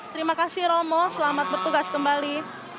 terima kasih romo selamat bertugas kembali